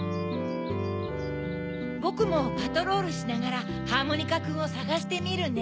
ぼくもパトロールしながらハーモニカくんをさがしてみるね。